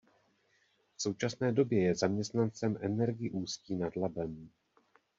V současné době je zaměstnancem Energy Ústí nad Labem.